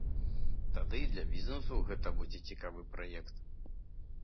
Тады і для бізнесу гэта будзе цікавы праект.